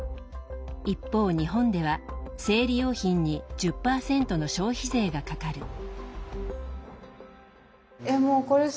一方日本では生理用品に１０％の消費税がかかる。